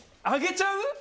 あげちゃう？